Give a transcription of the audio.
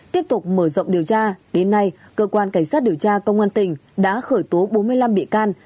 tiếp tục mở rộng điều tra đến nay cơ quan cảnh sát điều tra công an tỉnh đã khởi tố bốn mươi năm bị can